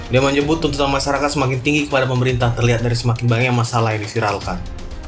dia menyebut tuntutan masyarakat semakin tinggi kepada pemerintah terlihat dari semakin banyak masalah yang disiralkan